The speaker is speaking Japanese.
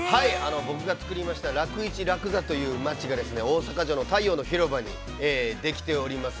◆僕が作りました楽市楽座という場所が大阪城の太陽の広場にできております。